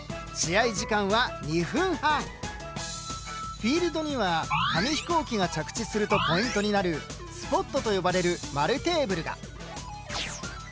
フィールドには紙飛行機が着地するとポイントになる「スポット」と呼ばれる丸テーブルが。